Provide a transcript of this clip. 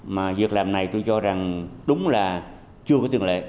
mà việc làm này tôi cho rằng đúng là chưa có tiền lệ